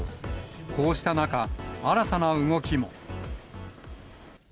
こうした中、新たな動きも。